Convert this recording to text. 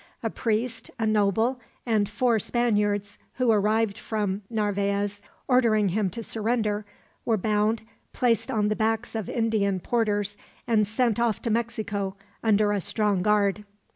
A priest, a noble, and four Spaniards who arrived from Narvaez, ordering him to surrender, were bound, placed on the backs of Indian porters, and sent off to Mexico under a strong guard.